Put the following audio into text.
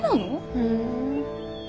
うん。